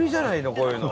こういうの。